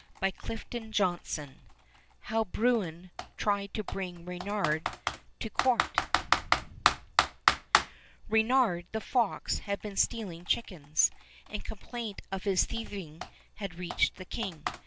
■" t ■' '>V «•'• HOW BRUIN TRIED TO BRING REYNARD TO COURT R eynard the fox had been stealing chickens, and complaint of his thiev ing had reached the king.